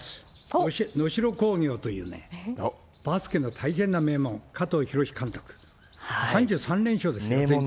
能代工業というね、バスケの大変な名門、かとうひろき監督、３３連勝です、全国。